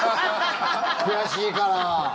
悔しいから。